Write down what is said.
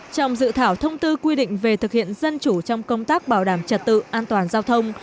trong dự thảo thông tư quy định về thực hiện dân chủ trong công tác bảo đảm trật tự an toàn giao thông